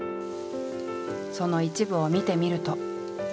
その一部を見てみると。